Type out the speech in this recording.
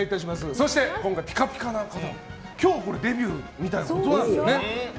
そして、今回ピカピカな今日デビューみたいなことですよね。